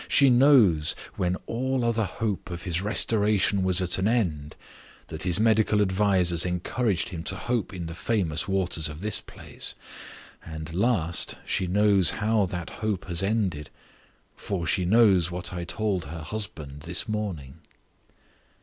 She knows, when all other hope of his restoration was at an end, that his medical advisers encouraged him to hope in the famous waters of this place. And last, she knows how that hope has ended; for she knows what I told her husband this morning."